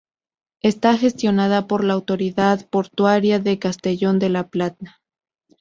Está gestionada por la autoridad portuaria de Castellón de la Plana.